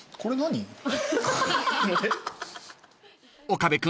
［岡部君